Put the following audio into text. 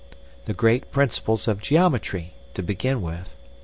The great principles of geometry, to begin with.